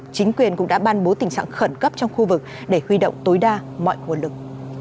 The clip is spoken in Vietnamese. chính quyền cũng đã ban bố tình trạng khẩn cấp trong khu vực để huy động tối đa mọi nguồn lực